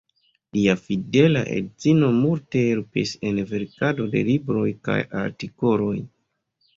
Lia fidela edzino multe helpis en verkado de libroj kaj artikoloj.